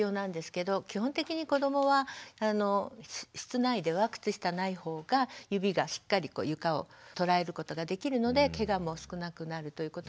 基本的に子どもは室内では靴下ない方が指がしっかり床を捉えることができるのでケガも少なくなるということもあるし。